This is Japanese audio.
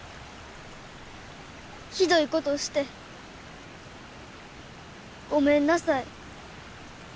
ひどいことしてごめんなさい。